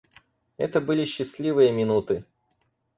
Это были счастливые минуты.